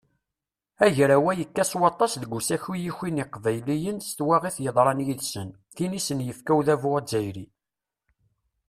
Agraw-a yekka s waṭas deg usaki i yukin yiqbayliyen s twaɣit yeḍran yid-sen, tin i sen-yefka udabu azzayri.